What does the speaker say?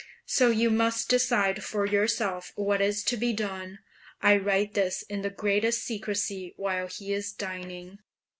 So you must decide for yourself what is to be done. I write this in the greatest secrecy while he is dining.